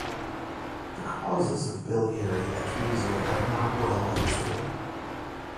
The causes of biliary atresia are not well understood.